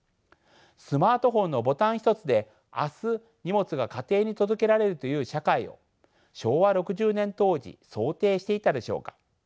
スマートフォンのボタン一つで明日荷物が家庭に届けられるという社会を昭和６０年当時想定していたでしょうか？